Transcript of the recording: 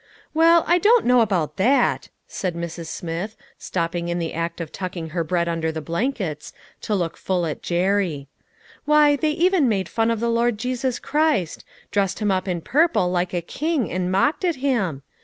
" Well, I don't know about that," said Mrs. Smith, stopping in the act of tucking her bread under the blankets, to look full at Jerry, " why, they even made fun of the Lord Jesus Christ ; dressed him up in purple, like a king, and mocked at him